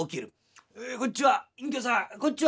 「えこんちは隠居さんこんちは」。